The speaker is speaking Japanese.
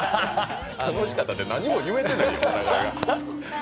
楽しかったって、何も言えてないやん。